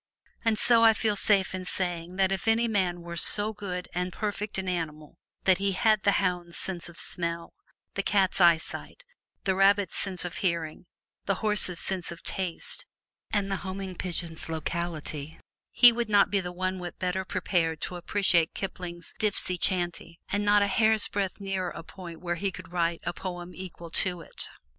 And so I feel safe in saying that if any man were so good and perfect an animal that he had the hound's sense of smell, the cat's eyesight, the rabbit's sense of hearing, the horse's sense of taste, and the homing pigeon's "locality," he would not be one whit better prepared to appreciate Kipling's "Dipsy Chanty," and not a hair's breadth nearer a point where he could write a poem equal to it.